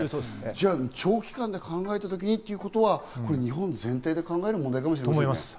じゃあ、長期間で考えたときということは日本全体で考える問題かもしれませんね。